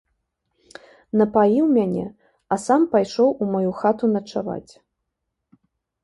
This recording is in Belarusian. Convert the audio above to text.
Напаіў мяне, а сам пайшоў у маю хату начаваць.